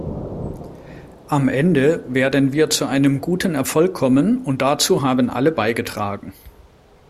Am Ende werden wir zu einem guten Erfolg kommen, und dazu haben alle beigetragen.